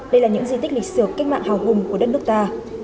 đây là những di tích lịch sử cách mạng hào hùng của đất nước ta